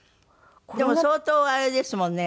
でも相当あれですもんね。